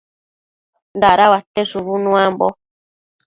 Dadauate shubu nuambo